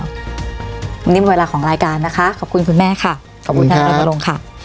วันนี้หมดเวลาของรายการนะคะขอบคุณคุณแม่ค่ะขอบคุณทนายรณรงค์ค่ะ